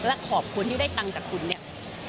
และขอบคุณที่ได้ตังค์จากคุณเนี่ย